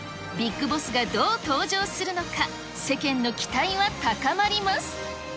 ビッグボスがどう登場するのか、世間の期待は高まります。